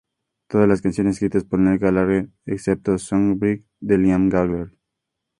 Todas las canciones escritas por Noel Gallagher, excepto Songbird de Liam Gallagher.